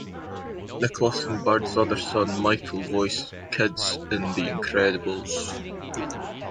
Nicholas and Bird's other son Michael voiced kids in "The Incredibles".